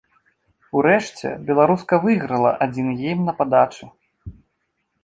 Урэшце беларуска выйграла адзін гейм на падачы.